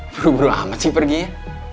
buru buru amat sih pergi ya